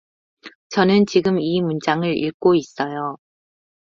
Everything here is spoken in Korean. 저는 지금 이 문장을 읽고 있어요.